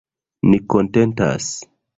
Ni kontentas.